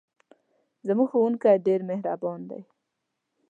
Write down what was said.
زموږ ښوونکی ډېر مهربان دی.